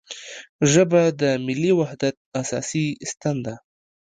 ژبه د ملي وحدت اساسي ستن ده